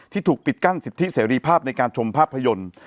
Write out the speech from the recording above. ถูกปิดกั้นสิทธิเสรีภาพในการชมภาพยนตร์